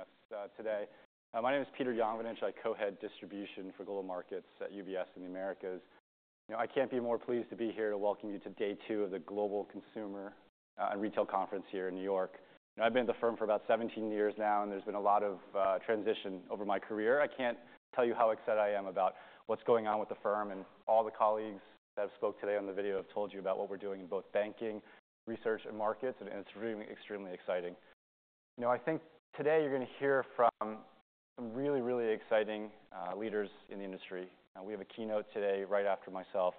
Hello everyone. Thanks for joining us today. My name is Peter Yongvanich. I co-head distribution for Global Markets at UBS in the Americas. You know, I can't be more pleased to be here to welcome you to day two of the Global Consumer and Retail Conference here in New York. You know, I've been at the firm for about 17 years now, and there's been a lot of transition over my career. I can't tell you how excited I am about what's going on with the firm, and all the colleagues that have spoke today on the video have told you about what we're doing in both banking, research, and markets, and it's really extremely exciting. You know, I think today you're gonna hear from some really, really exciting leaders in the industry. We have a keynote today right after myself,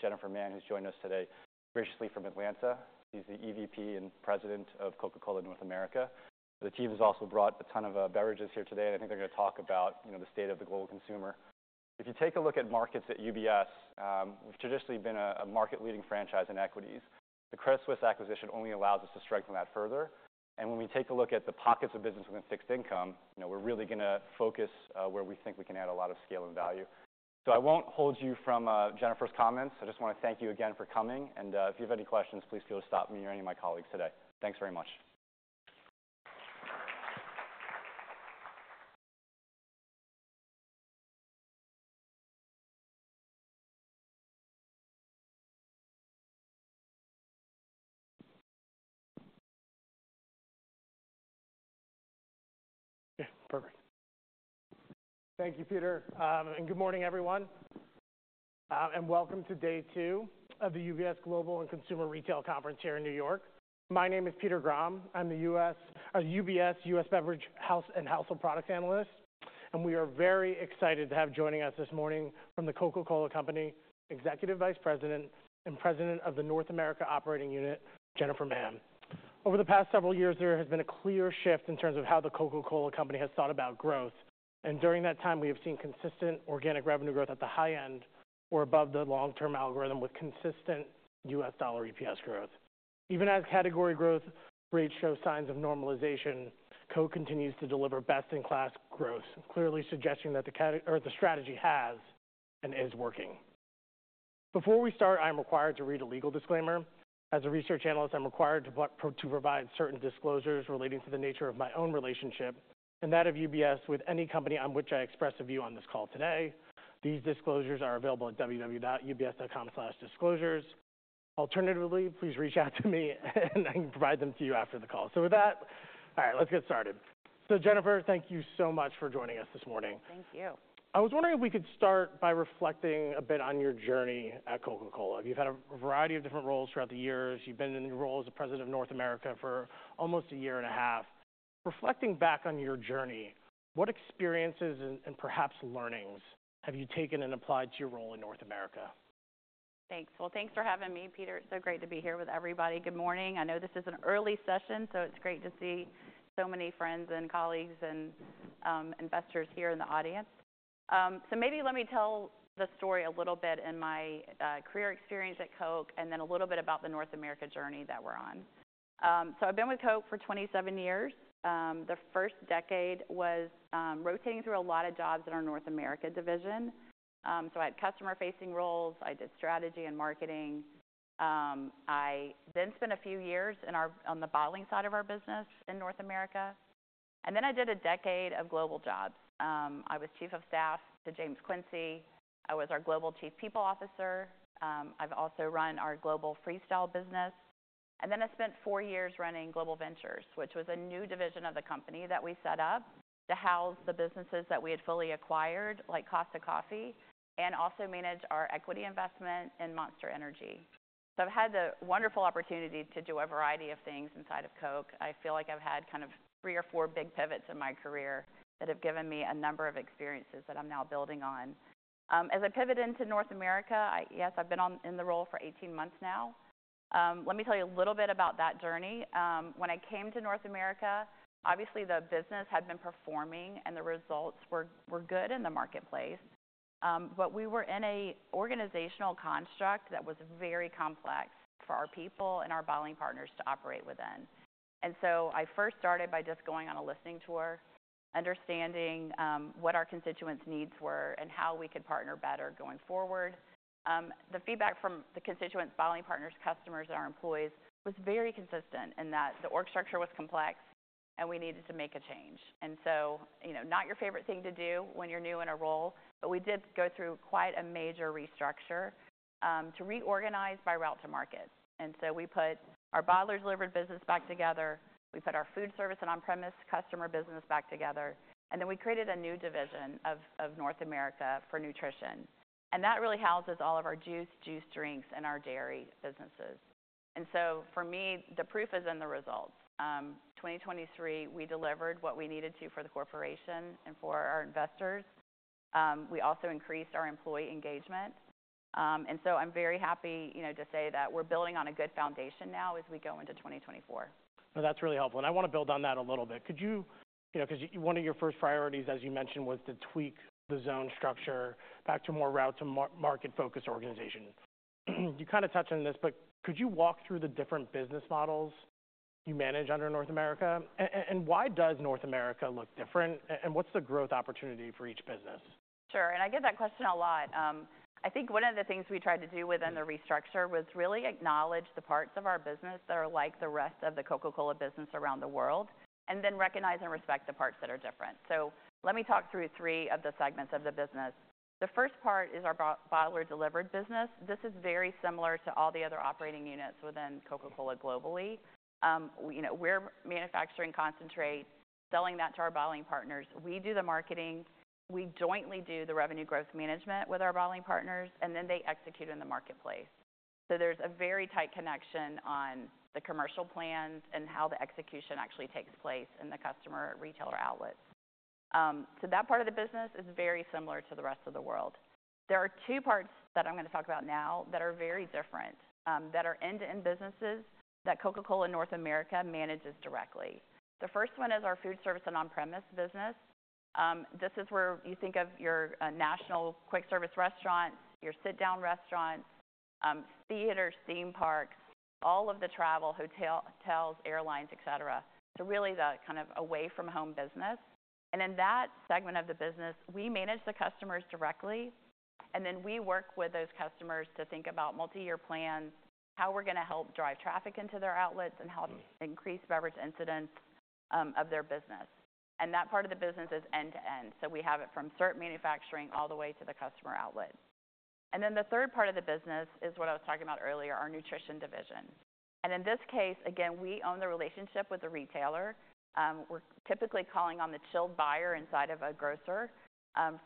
Jennifer Mann, who's joining us today, graciously from Atlanta. She's the EVP and president of Coca-Cola North America. The team has also brought a ton of beverages here today, and I think they're gonna talk about, you know, the state of the global consumer. If you take a look at markets at UBS, we've traditionally been a market-leading franchise in equities. The Credit Suisse acquisition only allows us to strengthen that further. And when we take a look at the pockets of business within fixed income, you know, we're really gonna focus where we think we can add a lot of scale and value. So I won't hold you from Jennifer's comments. I just wanna thank you again for coming, and if you have any questions, please feel free to stop me or any of my colleagues today. Thanks very much. Okay. Perfect. Thank you, Peter. Good morning, everyone. Welcome to day two of the UBS Global Consumer and Retail Conference here in New York. My name is Peter Grom. I'm the UBS U.S. Beverage and Household Products analyst, and we are very excited to have joining us this morning from the Coca-Cola Company Executive Vice President and President of the North America Operating Unit, Jennifer Mann. Over the past several years, there has been a clear shift in terms of how the Coca-Cola Company has thought about growth, and during that time, we have seen consistent organic revenue growth at the high end or above the long-term algorithm with consistent U.S. dollar EPS growth. Even as category growth rates show signs of normalization, Coke continues to deliver best-in-class growth, clearly suggesting that the KO or the strategy has and is working. Before we start, I am required to read a legal disclaimer. As a research analyst, I'm required to provide certain disclosures relating to the nature of my own relationship and that of UBS with any company on which I express a view on this call today. These disclosures are available at www.ubs.com/disclosures. Alternatively, please reach out to me, and I can provide them to you after the call. So with that, all right, let's get started. So, Jennifer, thank you so much for joining us this morning. Thank you. I was wondering if we could start by reflecting a bit on your journey at Coca-Cola. You've had a variety of different roles throughout the years. You've been in the role as the President of North America for almost a year and a half. Reflecting back on your journey, what experiences and perhaps learnings have you taken and applied to your role in North America? Thanks. Well, thanks for having me, Peter. It's so great to be here with everybody. Good morning. I know this is an early session, so it's great to see so many friends and colleagues and investors here in the audience. So maybe let me tell the story a little bit in my career experience at Coke and then a little bit about the North America journey that we're on. So I've been with Coke for 27 years. The first decade was rotating through a lot of jobs in our North America division. So I had customer-facing roles. I did strategy and marketing. I then spent a few years in our on the bottling side of our business in North America. And then I did a decade of global jobs. I was chief of staff to James Quincey. I was our global chief people officer. I've also run our global Freestyle business. And then I spent 4 years running Global Ventures, which was a new division of the company that we set up to house the businesses that we had fully acquired, like Costa Coffee, and also manage our equity investment in Monster Energy. So I've had the wonderful opportunity to do a variety of things inside of Coke. I feel like I've had kind of 3 or 4 big pivots in my career that have given me a number of experiences that I'm now building on. As I pivot into North America, I yes, I've been on in the role for 18 months now. Let me tell you a little bit about that journey. When I came to North America, obviously, the business had been performing, and the results were, were good in the marketplace. But we were in an organizational construct that was very complex for our people and our bottling partners to operate within. And so I first started by just going on a listening tour, understanding what our constituents' needs were and how we could partner better going forward. The feedback from the constituents, bottling partners, customers, and our employees was very consistent in that the org structure was complex, and we needed to make a change. And so, you know, not your favorite thing to do when you're new in a role, but we did go through quite a major restructure to reorganize by route to market. And so we put our bottler-delivered business back together. We put our food service and on-premise customer business back together. And then we created a new division of North America for nutrition. That really houses all of our juice, juice drinks, and our dairy businesses. So for me, the proof is in the results. 2023, we delivered what we needed to for the corporation and for our investors. We also increased our employee engagement. So I'm very happy, you know, to say that we're building on a good foundation now as we go into 2024. No, that's really helpful. I wanna build on that a little bit. Could you, you know, 'cause one of your first priorities, as you mentioned, was to tweak the zone structure back to more route-to-market-focused organization. You kinda touched on this, but could you walk through the different business models you manage under North America? And why does North America look different, and what's the growth opportunity for each business? Sure. And I get that question a lot. I think one of the things we tried to do within the restructure was really acknowledge the parts of our business that are like the rest of the Coca-Cola business around the world and then recognize and respect the parts that are different. So let me talk through three of the segments of the business. The first part is our bottler-delivered business. This is very similar to all the other operating units within Coca-Cola globally. You know, we're manufacturing concentrate, selling that to our bottling partners. We do the marketing. We jointly do the revenue growth management with our bottling partners, and then they execute in the marketplace. So there's a very tight connection on the commercial plans and how the execution actually takes place in the customer retailer outlets. So that part of the business is very similar to the rest of the world. There are two parts that I'm gonna talk about now that are very different, that are end-to-end businesses that Coca-Cola North America manages directly. The first one is our food service and on-premise business. This is where you think of your national quick-service restaurants, your sit-down restaurants, theaters, theme parks, all of the travel: hotels, airlines, etc. So really the kind of away-from-home business. And in that segment of the business, we manage the customers directly, and then we work with those customers to think about multi-year plans, how we're gonna help drive traffic into their outlets, and how to increase beverage incidence of their business. And that part of the business is end-to-end. So we have it from concentrate manufacturing all the way to the customer outlet. Then the third part of the business is what I was talking about earlier, our nutrition division. In this case, again, we own the relationship with the retailer. We're typically calling on the chilled buyer inside of a grocer,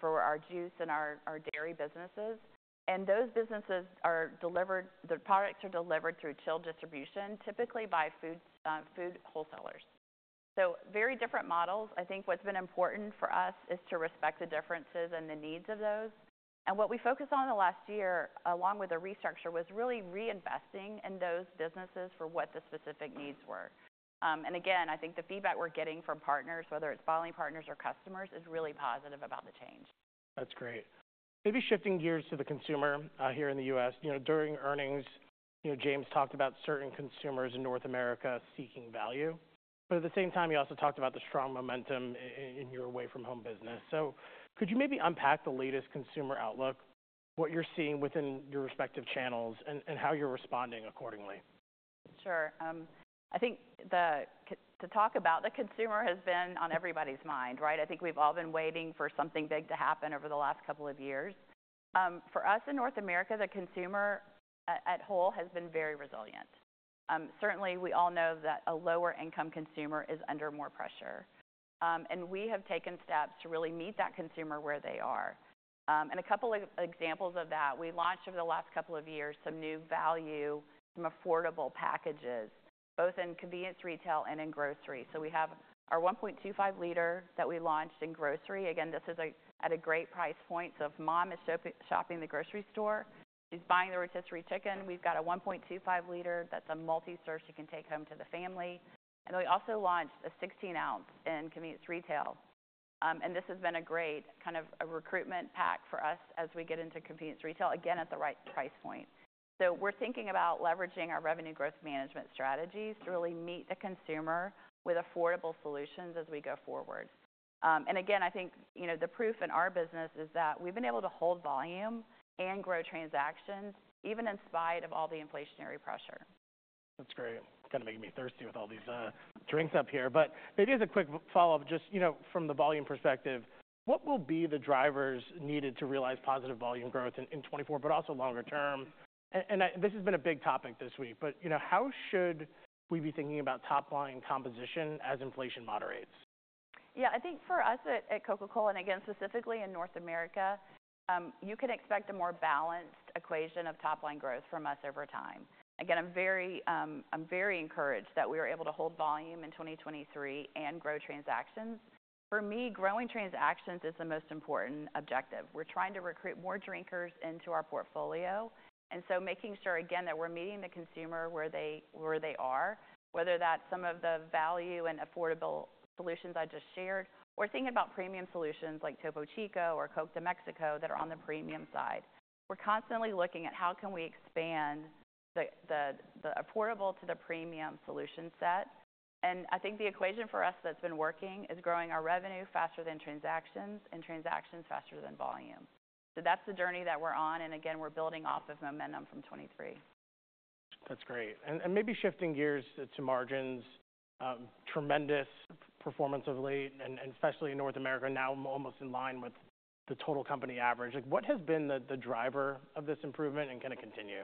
for our juice and our, our dairy businesses. And those businesses are delivered the products are delivered through chilled distribution, typically by foods, food wholesalers. So very different models. I think what's been important for us is to respect the differences and the needs of those. What we focused on in the last year, along with the restructure, was really reinvesting in those businesses for what the specific needs were. And again, I think the feedback we're getting from partners, whether it's bottling partners or customers, is really positive about the change. That's great. Maybe shifting gears to the consumer, here in the U.S. You know, during earnings, you know, James talked about certain consumers in North America seeking value. But at the same time, he also talked about the strong momentum in your away-from-home business. So could you maybe unpack the latest consumer outlook, what you're seeing within your respective channels, and how you're responding accordingly? Sure. I think the time to talk about the consumer has been on everybody's mind, right? I think we've all been waiting for something big to happen over the last couple of years. For us in North America, the consumer, as a whole, has been very resilient. Certainly, we all know that a lower-income consumer is under more pressure. We have taken steps to really meet that consumer where they are. A couple of examples of that, we launched over the last couple of years some new value, some affordable packages, both in convenience retail and in grocery. So we have our 1.25-liter that we launched in grocery. Again, this is at a great price point. So if mom is shopping the grocery store, she's buying the rotisserie chicken, we've got a 1.25-liter that's a multi-serve you can take home to the family. We also launched a 16-ounce in convenience retail. This has been a great kind of a recruitment pack for us as we get into convenience retail, again, at the right price point. We're thinking about leveraging our Revenue Growth Management strategies to really meet the consumer with affordable solutions as we go forward. Again, I think, you know, the proof in our business is that we've been able to hold volume and grow transactions even in spite of all the inflationary pressure. That's great. Kinda making me thirsty with all these drinks up here. But maybe as a quick follow-up, just, you know, from the volume perspective, what will be the drivers needed to realize positive volume growth in 2024 but also longer term? And I this has been a big topic this week. But, you know, how should we be thinking about top-line composition as inflation moderates? Yeah. I think for us at Coca-Cola and again, specifically in North America, you can expect a more balanced equation of top-line growth from us over time. Again, I'm very encouraged that we were able to hold volume in 2023 and grow transactions. For me, growing transactions is the most important objective. We're trying to recruit more drinkers into our portfolio, and so making sure, again, that we're meeting the consumer where they are, whether that's some of the value and affordable solutions I just shared or thinking about premium solutions like Topo Chico or Coke de Mexico that are on the premium side. We're constantly looking at how can we expand the affordable to the premium solution set. And I think the equation for us that's been working is growing our revenue faster than transactions and transactions faster than volume. That's the journey that we're on. Again, we're building off of momentum from 2023. That's great. And maybe shifting gears to margins. Tremendous performance of late, and especially in North America now almost in line with the total company average. Like, what has been the driver of this improvement and can it continue?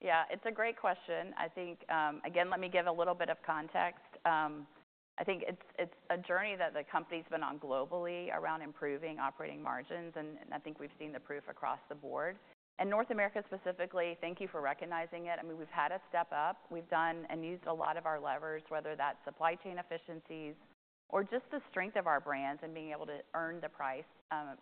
Yeah. It's a great question. I think, again, let me give a little bit of context. I think it's a journey that the company's been on globally around improving operating margins. And I think we've seen the proof across the board. In North America specifically, thank you for recognizing it. I mean, we've had a step up. We've done and used a lot of our levers, whether that's supply chain efficiencies or just the strength of our brands and being able to earn the price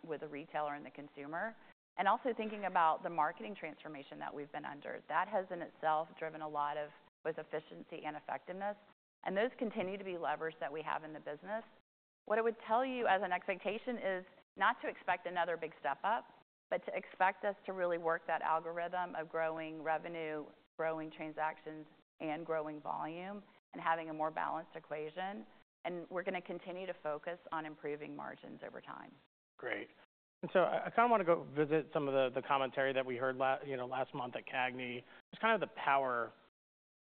with a retailer and the consumer, and also thinking about the marketing transformation that we've been under. That has in itself driven a lot of with efficiency and effectiveness. And those continue to be levers that we have in the business. What I would tell you as an expectation is not to expect another big step up but to expect us to really work that algorithm of growing revenue, growing transactions, and growing volume and having a more balanced equation. We're gonna continue to focus on improving margins over time. Great. And so I kinda wanna go visit some of the commentary that we heard last, you know, last month at CAGNY. Just kinda the power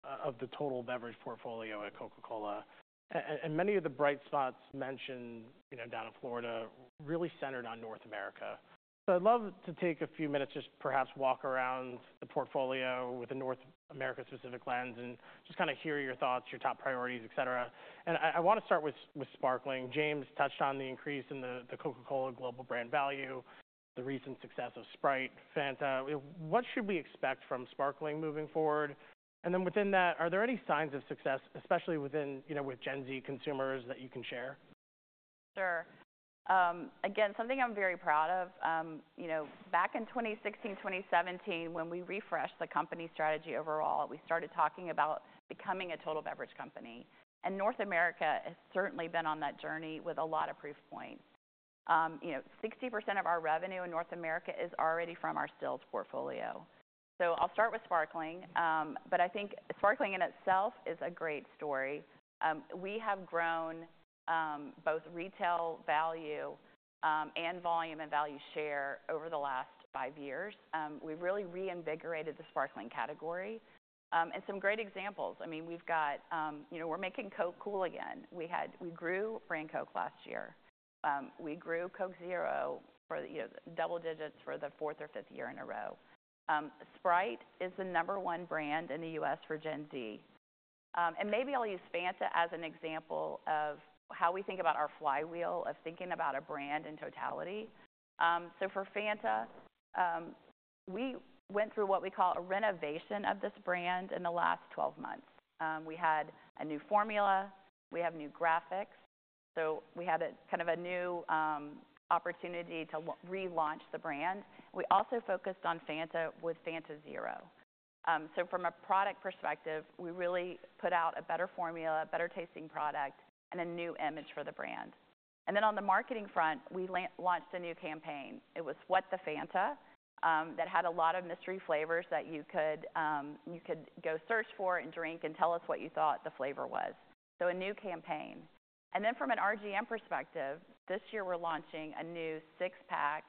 of the total beverage portfolio at Coca-Cola. And many of the bright spots mentioned, you know, down in Florida really centered on North America. So I'd love to take a few minutes just perhaps walk around the portfolio with a North America-specific lens and just kinda hear your thoughts, your top priorities, etc. And I wanna start with sparkling. James touched on the increase in the Coca-Cola global brand value, the recent success of Sprite, Fanta. You know, what should we expect from sparkling moving forward? And then within that, are there any signs of success, especially within, you know, with Gen Z consumers that you can share? Sure, again, something I'm very proud of, you know, back in 2016, 2017, when we refreshed the company strategy overall, we started talking about becoming a total beverage company. And North America has certainly been on that journey with a lot of proof points. You know, 60% of our revenue in North America is already from our stills portfolio. So I'll start with Sparkling. But I think Sparkling in itself is a great story. We have grown both retail value and volume and value share over the last five years. We've really reinvigorated the Sparkling category. And some great examples. I mean, we've got, you know, we're making Coke cool again. We, we grew brand Coke last year. We grew Coke Zero for, you know, double digits for the fourth or fifth year in a row. Sprite is the number one brand in the U.S. for Gen Z. Maybe I'll use Fanta as an example of how we think about our flywheel of thinking about a brand in totality. So for Fanta, we went through what we call a renovation of this brand in the last 12 months. We had a new formula. We have new graphics. So we had a kind of a new opportunity to relaunch the brand. We also focused on Fanta with Fanta Zero. So from a product perspective, we really put out a better formula, better-tasting product, and a new image for the brand. And then on the marketing front, we launched a new campaign. It was What The Fanta, that had a lot of mystery flavors that you could go search for and drink and tell us what you thought the flavor was. So a new campaign. Then from an RGM perspective, this year, we're launching a new 6-pack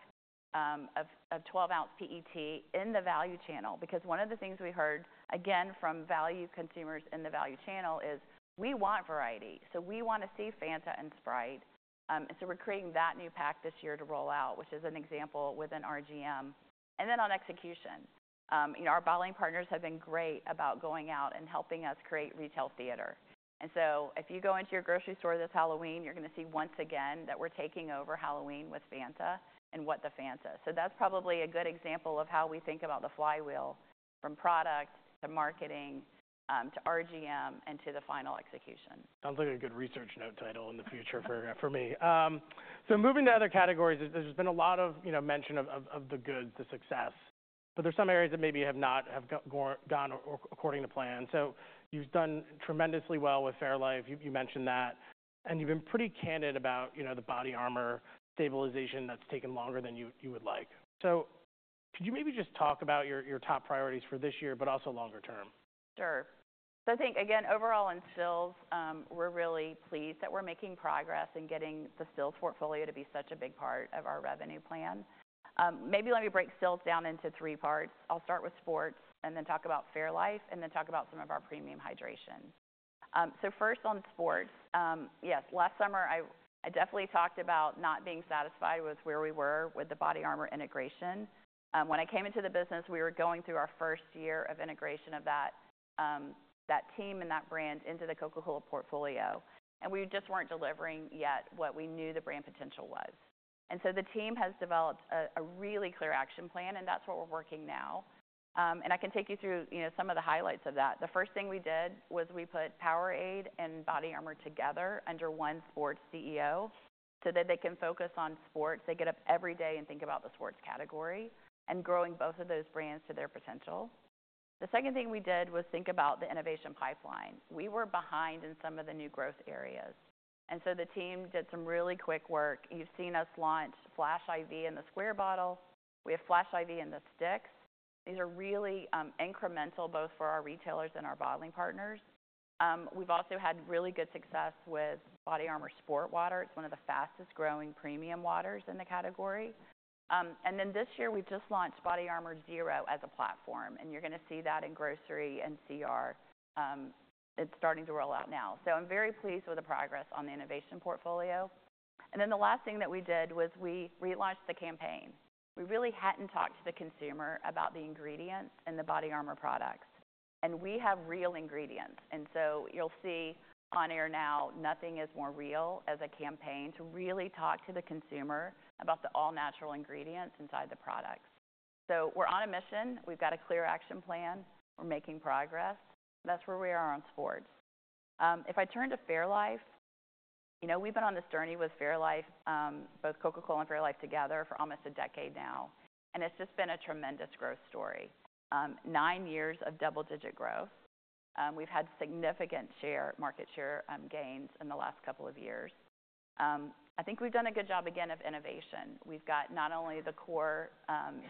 of 12-ounce PET in the value channel because one of the things we heard, again, from value consumers in the value channel is, "We want variety. So we wanna see Fanta and Sprite." And so we're creating that new pack this year to roll out, which is an example with an RGM. Then on execution, you know, our bottling partners have been great about going out and helping us create retail theater. So if you go into your grocery store this Halloween, you're gonna see once again that we're taking over Halloween with Fanta and What The Fanta. So that's probably a good example of how we think about the flywheel from product to marketing, to RGM, and to the final execution. Sounds like a good research note title in the future for me. So moving to other categories, there's been a lot of, you know, mention of the good, the success. But there's some areas that maybe have not gone according to plan. So you've done tremendously well with fairlife. You mentioned that. And you've been pretty candid about, you know, the BODYARMOR stabilization that's taken longer than you would like. So could you maybe just talk about your top priorities for this year but also longer term? Sure. So I think, again, overall in stills, we're really pleased that we're making progress in getting the stills portfolio to be such a big part of our revenue plan. Maybe let me break stills down into three parts. I'll start with sports and then talk about fairlife and then talk about some of our premium hydration. So first on sports, yes, last summer, I, I definitely talked about not being satisfied with where we were with the BodyArmor integration. When I came into the business, we were going through our first year of integration of that, that team and that brand into the Coca-Cola portfolio. And so the team has developed a, a really clear action plan, and that's what we're working now. I can take you through, you know, some of the highlights of that. The first thing we did was we put Powerade and BODYARMOR together under one sports CEO so that they can focus on sports. They get up every day and think about the sports category and growing both of those brands to their potential. The second thing we did was think about the innovation pipeline. We were behind in some of the new growth areas. So the team did some really quick work. You've seen us launch Flash I.V. in the square bottle. We have Flash I.V. in the sticks. These are really incremental both for our retailers and our bottling partners. We've also had really good success with BODYARMOR SportWater. It's one of the fastest-growing premium waters in the category. Then this year, we just launched BODYARMOR Zero as a platform. And you're gonna see that in grocery and CR. It's starting to roll out now. So I'm very pleased with the progress on the innovation portfolio. And then the last thing that we did was we relaunched the campaign. We really hadn't talked to the consumer about the ingredients in the BODYARMOR products. And we have real ingredients. So you'll see on air now, nothing is more real as a campaign to really talk to the consumer about the all-natural ingredients inside the products. So we're on a mission. We've got a clear action plan. We're making progress. That's where we are on sports. If I turn to fairlife, you know, we've been on this journey with fairlife, both Coca-Cola and fairlife together for almost a decade now. It's just been a tremendous growth story, nine years of double-digit growth. We've had significant market share gains in the last couple of years. I think we've done a good job, again, of innovation. We've got not only the core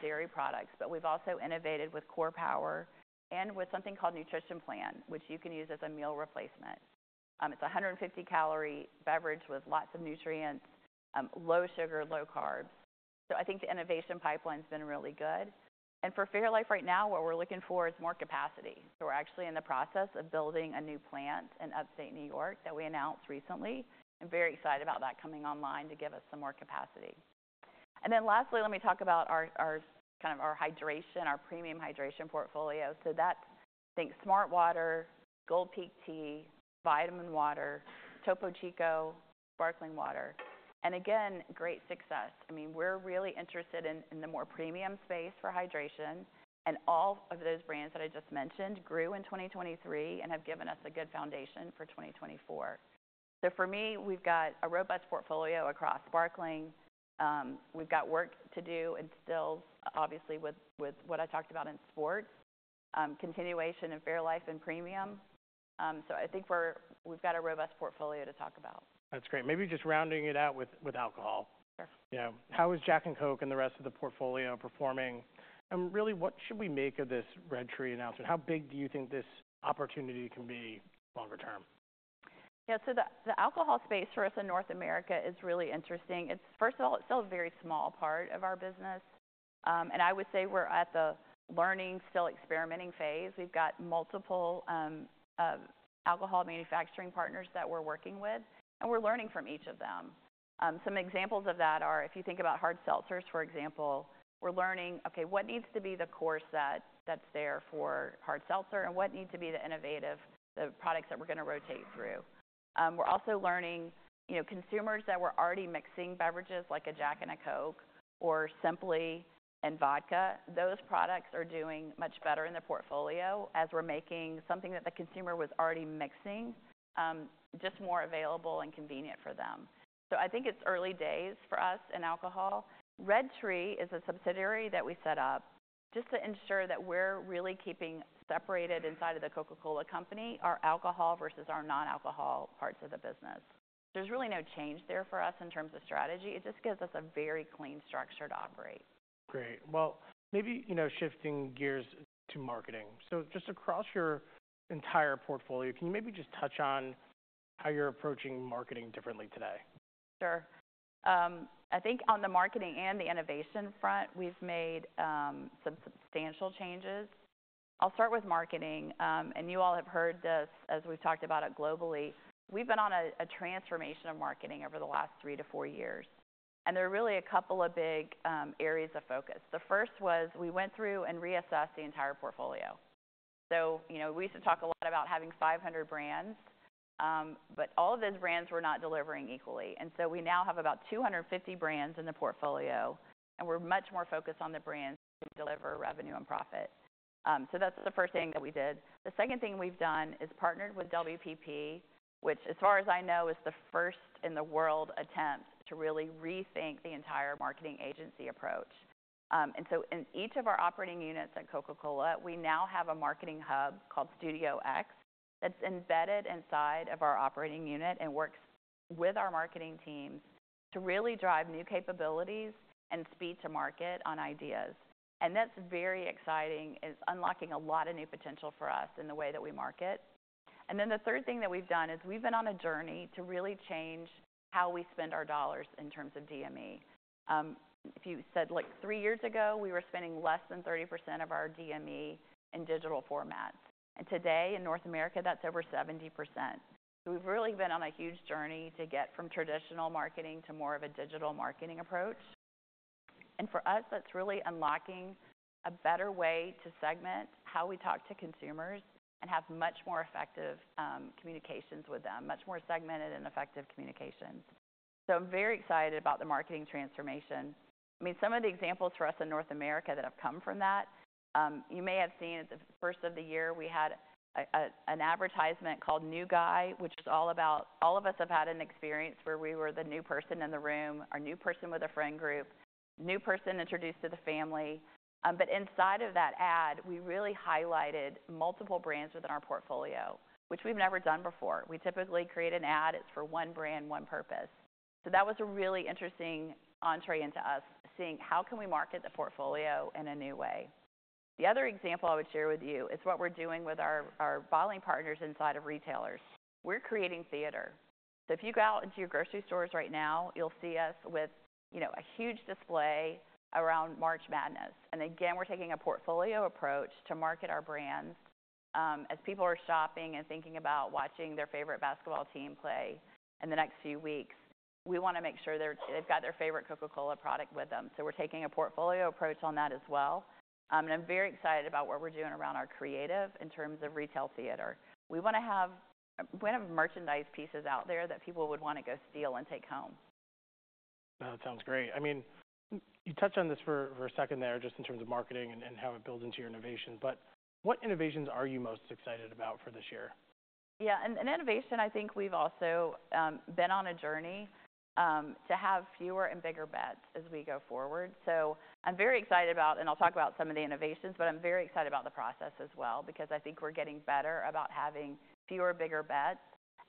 dairy products, but we've also innovated with Core Power and with something called Nutrition Plan, which you can use as a meal replacement. It's a 150-calorie beverage with lots of nutrients, low sugar, low carbs. So I think the innovation pipeline's been really good. And for fairlife right now, what we're looking for is more capacity. So we're actually in the process of building a new plant in upstate New York that we announced recently. I'm very excited about that coming online to give us some more capacity. And then lastly, let me talk about our kind of hydration, our premium hydration portfolio. That's, I think, smartwater, Gold Peak Tea, vitaminwater, Topo Chico, Sparkling Water. Again, great success. I mean, we're really interested in the more premium space for hydration. And all of those brands that I just mentioned grew in 2023 and have given us a good foundation for 2024. So for me, we've got a robust portfolio across sparkling. We've got work to do in stills, obviously, with what I talked about in sports, continuation in fairlife and premium. So I think we've got a robust portfolio to talk about. That's great. Maybe just rounding it out with, with alcohol. Sure. Yeah. How is Jack and Coke and the rest of the portfolio performing? And really, what should we make of this Red Tree announcement? How big do you think this opportunity can be longer term? Yeah. So the alcohol space for us in North America is really interesting. It's first of all, it's still a very small part of our business. I would say we're at the learning, still experimenting phase. We've got multiple alcohol manufacturing partners that we're working with, and we're learning from each of them. Some examples of that are if you think about hard seltzers, for example, we're learning, okay, what needs to be the course that's there for hard seltzer and what needs to be the innovative products that we're gonna rotate through. We're also learning, you know, consumers that were already mixing beverages like a Jack and a Coke or Simply and vodka, those products are doing much better in their portfolio as we're making something that the consumer was already mixing, just more available and convenient for them. I think it's early days for us in alcohol. Red Tree is a subsidiary that we set up just to ensure that we're really keeping separated inside of the Coca-Cola Company our alcohol versus our non-alcohol parts of the business. There's really no change there for us in terms of strategy. It just gives us a very clean structure to operate. Great. Well, maybe, you know, shifting gears to marketing. So just across your entire portfolio, can you maybe just touch on how you're approaching marketing differently today? Sure. I think on the marketing and the innovation front, we've made some substantial changes. I'll start with marketing. And you all have heard this as we've talked about it globally. We've been on a transformation of marketing over the last 3-4 years. And there are really a couple of big areas of focus. The first was we went through and reassessed the entire portfolio. So, you know, we used to talk a lot about having 500 brands, but all of those brands were not delivering equally. And so we now have about 250 brands in the portfolio, and we're much more focused on the brands to deliver revenue and profit. So that's the first thing that we did. The second thing we've done is partnered with WPP, which, as far as I know, is the first in the world attempt to really rethink the entire marketing agency approach. And so in each of our operating units at Coca-Cola, we now have a marketing hub called Studio X that's embedded inside of our operating unit and works with our marketing teams to really drive new capabilities and speed to market on ideas. That's very exciting. It's unlocking a lot of new potential for us in the way that we market. And then the third thing that we've done is we've been on a journey to really change how we spend our dollars in terms of DME. If you said, like, three years ago, we were spending less than 30% of our DME in digital formats. And today, in North America, that's over 70%. We've really been on a huge journey to get from traditional marketing to more of a digital marketing approach. And for us, that's really unlocking a better way to segment how we talk to consumers and have much more effective communications with them, much more segmented and effective communications. I'm very excited about the marketing transformation. I mean, some of the examples for us in North America that have come from that, you may have seen at the first of the year, we had an advertisement called New Guy, which is all about all of us have had an experience where we were the new person in the room, or new person with a friend group, new person introduced to the family. But inside of that ad, we really highlighted multiple brands within our portfolio, which we've never done before. We typically create an ad. It's for one brand, one purpose. So that was a really interesting entree into us seeing, how can we market the portfolio in a new way? The other example I would share with you is what we're doing with our, our bottling partners inside of retailers. We're creating theater. So if you go out into your grocery stores right now, you'll see us with, you know, a huge display around March Madness. Again, we're taking a portfolio approach to market our brands, as people are shopping and thinking about watching their favorite basketball team play in the next few weeks. We wanna make sure they've got their favorite Coca-Cola product with them. So we're taking a portfolio approach on that as well. And I'm very excited about what we're doing around our creative in terms of retail theater. We wanna have merchandise pieces out there that people would wanna go steal and take home. No, that sounds great. I mean, you touched on this for a second there just in terms of marketing and how it builds into your innovations. But what innovations are you most excited about for this year? Yeah. And innovation, I think we've also been on a journey to have fewer and bigger bets as we go forward. So I'm very excited about and I'll talk about some of the innovations, but I'm very excited about the process as well because I think we're getting better about having fewer, bigger bets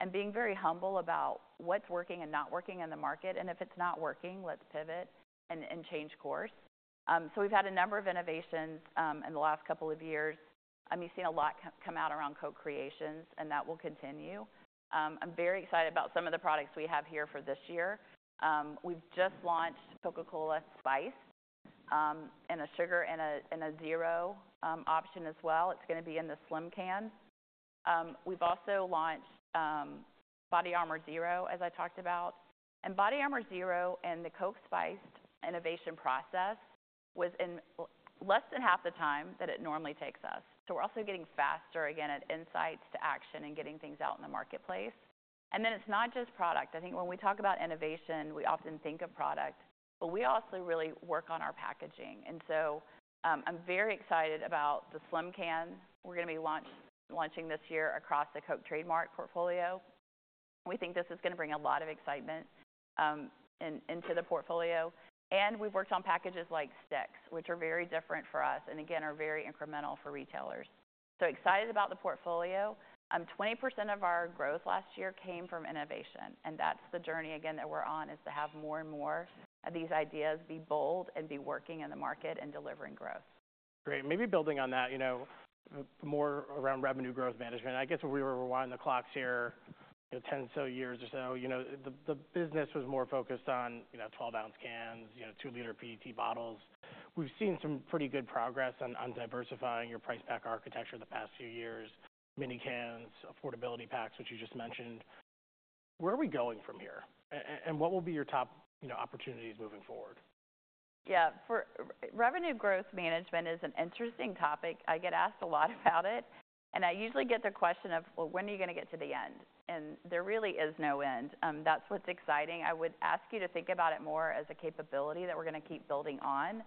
and being very humble about what's working and not working in the market. If it's not working, let's pivot and change course. So we've had a number of innovations in the last couple of years. I mean, you've seen a lot come out around Coke Creations, and that will continue. I'm very excited about some of the products we have here for this year. We've just launched Coca-Cola Spiced, in a sugar and a zero option as well. It's gonna be in the slim can. We've also launched BODYARMOR Zero, as I talked about. And BODYARMOR Zero and the Coke Spiced innovation process was in less than half the time that it normally takes us. So we're also getting faster, again, at insights to action and getting things out in the marketplace. And then it's not just product. I think when we talk about innovation, we often think of product, but we also really work on our packaging. And so, I'm very excited about the slim can we're gonna be launching this year across the Coke trademark portfolio. We think this is gonna bring a lot of excitement into the portfolio. And we've worked on packages like sticks, which are very different for us and, again, are very incremental for retailers. So excited about the portfolio. 20% of our growth last year came from innovation. That's the journey, again, that we're on is to have more and more of these ideas be bold and be working in the market and delivering growth. Great. Maybe building on that, you know, more around revenue growth management. I guess when we were rewinding the clocks here, you know, 10 or so years or so, you know, the business was more focused on, you know, 12-ounce cans, you know, 2-liter PET bottles. We've seen some pretty good progress on diversifying your price pack architecture the past few years, mini cans, affordability packs, which you just mentioned. Where are we going from here? And what will be your top, you know, opportunities moving forward? Yeah. Revenue Growth Management is an interesting topic. I get asked a lot about it. And I usually get the question of, "Well, when are you gonna get to the end?" And there really is no end. That's what's exciting. I would ask you to think about it more as a capability that we're gonna keep building on.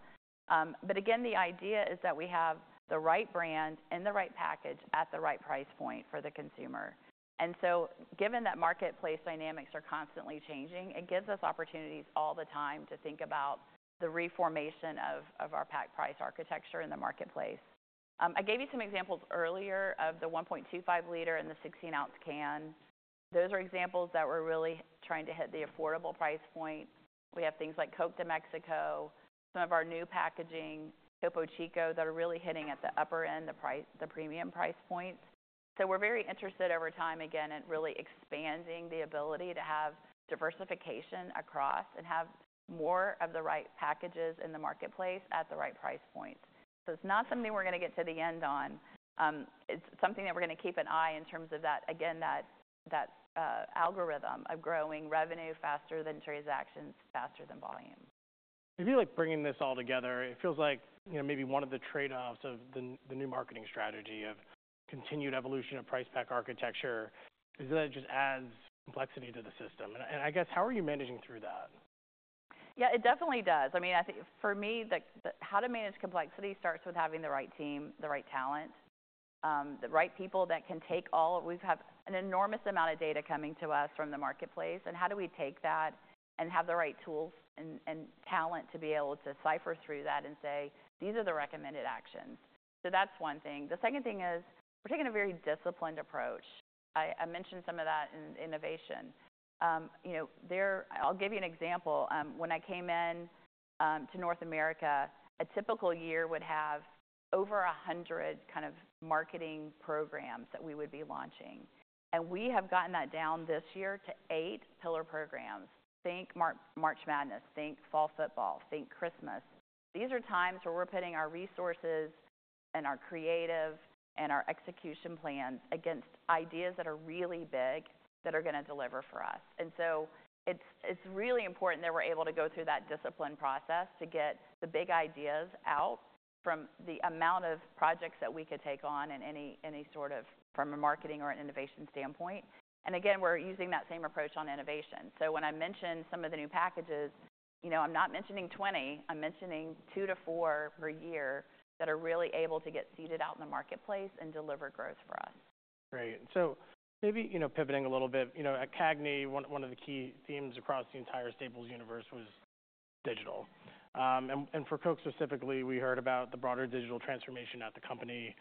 But again, the idea is that we have the right brand in the right package at the right price point for the consumer. Given that marketplace dynamics are constantly changing, it gives us opportunities all the time to think about the reformation of our price pack architecture in the marketplace. I gave you some examples earlier of the 1.25-liter and the 16-ounce can. Those are examples that we're really trying to hit the affordable price point. We have things like Coke de Mexico, some of our new packaging, Topo Chico that are really hitting at the upper end, the price, the premium price point. So we're very interested over time, again, at really expanding the ability to have diversification across and have more of the right packages in the marketplace at the right price point. So it's not something we're gonna get to the end on. It's something that we're gonna keep an eye on in terms of that, again, that algorithm of growing revenue faster than transactions, faster than volume. Maybe, like, bringing this all together, it feels like, you know, maybe one of the trade-offs of the new marketing strategy of continued evolution of price pack architecture is that it just adds complexity to the system. And I guess, how are you managing through that? Yeah. It definitely does. I mean, I think for me, the how to manage complexity starts with having the right team, the right talent, the right people that can take all we have an enormous amount of data coming to us from the marketplace. And how do we take that and have the right tools and talent to be able to sift through that and say, "These are the recommended actions"? So that's one thing. The second thing is we're taking a very disciplined approach. I mentioned some of that in innovation. You know, there I'll give you an example. When I came into North America, a typical year would have over 100 kind of marketing programs that we would be launching. And we have gotten that down this year to eight pillar programs. Think March Madness. Think Fall Football. Think Christmas. These are times where we're putting our resources and our creative and our execution plans against ideas that are really big that are gonna deliver for us. And so it's really important that we're able to go through that disciplined process to get the big ideas out from the amount of projects that we could take on in any sort of from a marketing or an innovation standpoint. And again, we're using that same approach on innovation. So when I mention some of the new packages, you know, I'm not mentioning 20. I'm mentioning 2-4 per year that are really able to get seeded out in the marketplace and deliver growth for us. Great. So maybe, you know, pivoting a little bit, you know, at CAGNY, one of the key themes across the entire staples universe was digital. And for Coke specifically, we heard about the broader digital transformation at the company.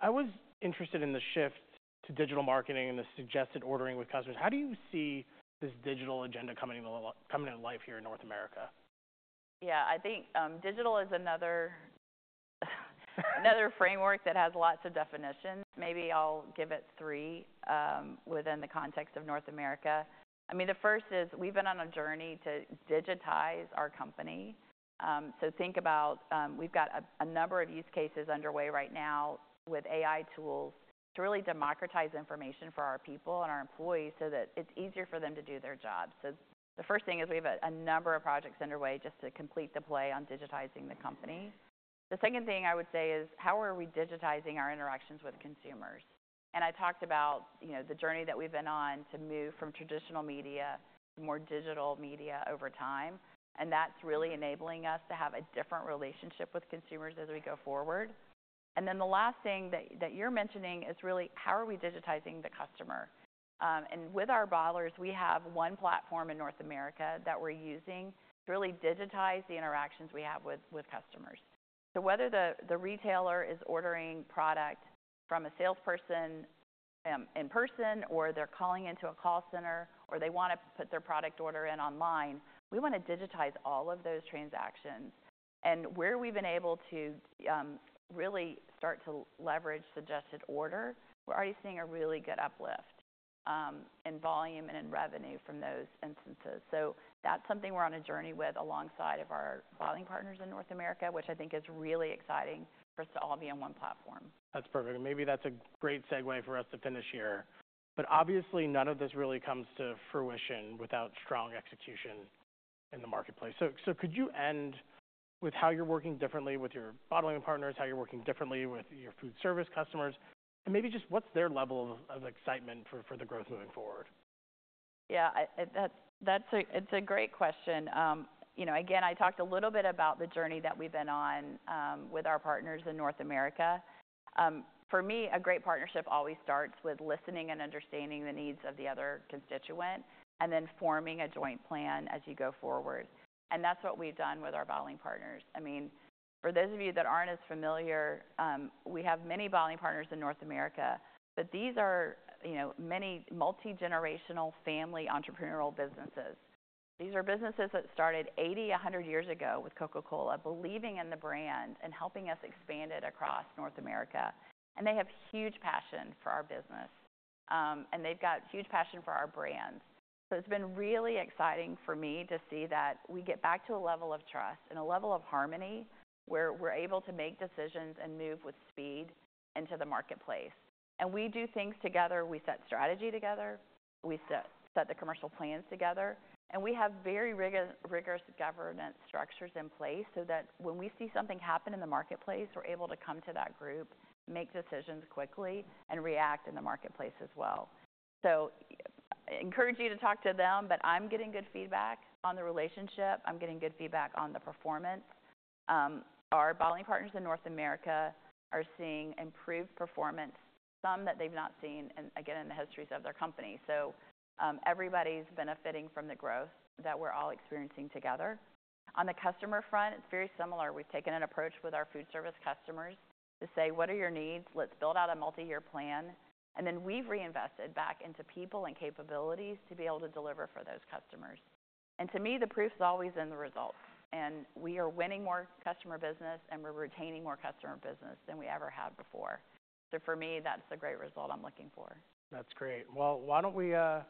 I was interested in the shift to digital marketing and the suggested ordering with customers. How do you see this digital agenda coming to life here in North America? Yeah. I think digital is another framework that has lots of definitions. Maybe I'll give it three, within the context of North America. I mean, the first is we've been on a journey to digitize our company. So think about, we've got a number of use cases underway right now with AI tools to really democratize information for our people and our employees so that it's easier for them to do their job. The first thing is we have a number of projects underway just to complete the play on digitizing the company. The second thing I would say is how are we digitizing our interactions with consumers? And I talked about, you know, the journey that we've been on to move from traditional media to more digital media over time. That's really enabling us to have a different relationship with consumers as we go forward. Then the last thing that you're mentioning is really how are we digitizing the customer? And with our bottlers, we have one platform in North America that we're using to really digitize the interactions we have with customers. Whether the retailer is ordering product from a salesperson, in person or they're calling into a call center or they wanna put their product order in online, we wanna digitize all of those transactions. And where we've been able to really start to leverage suggested order, we're already seeing a really good uplift in volume and in revenue from those instances. So that's something we're on a journey with alongside of our bottling partners in North America, which I think is really exciting for us to all be on one platform. That's perfect. And maybe that's a great segue for us to finish here. But obviously, none of this really comes to fruition without strong execution in the marketplace. So, could you end with how you're working differently with your bottling partners, how you're working differently with your food service customers, and maybe just what's their level of excitement for the growth moving forward? Yeah. That's a great question. You know, again, I talked a little bit about the journey that we've been on with our partners in North America. For me, a great partnership always starts with listening and understanding the needs of the other constituent and then forming a joint plan as you go forward. And that's what we've done with our bottling partners. I mean, for those of you that aren't as familiar, we have many bottling partners in North America, but these are, you know, many multi-generational family entrepreneurial businesses. These are businesses that started 80, 100 years ago with Coca-Cola, believing in the brand and helping us expand it across North America. And they have huge passion for our business, and they've got huge passion for our brands. It's been really exciting for me to see that we get back to a level of trust and a level of harmony where we're able to make decisions and move with speed into the marketplace. And we do things together. We set strategy together. We set, set the commercial plans together. And we have very rigorous governance structures in place so that when we see something happen in the marketplace, we're able to come to that group, make decisions quickly, and react in the marketplace as well. So encourage you to talk to them, but I'm getting good feedback on the relationship. I'm getting good feedback on the performance. Our bottling partners in North America are seeing improved performance, some that they've not seen, and again, in the histories of their company. So, everybody's benefiting from the growth that we're all experiencing together. On the customer front, it's very similar. We've taken an approach with our food service customers to say, "What are your needs? Let's build out a multi-year plan." And then we've reinvested back into people and capabilities to be able to deliver for those customers. And to me, the proof's always in the results. And we are winning more customer business, and we're retaining more customer business than we ever had before. So for me, that's the great result I'm looking for. That's great. Well, why don't we, why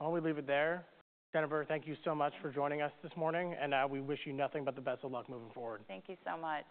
don't we leave it there? Jennifer, thank you so much for joining us this morning. We wish you nothing but the best of luck moving forward. Thank you so much.